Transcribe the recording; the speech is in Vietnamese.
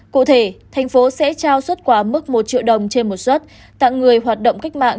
cụ thể thành phố sẽ trao xuất quả mức một triệu đồng trên một xuất tặng người hoạt động cách mạng